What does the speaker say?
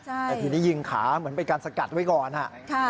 แต่ทีนี้ยิงขาเหมือนเป็นการสกัดไว้ก่อน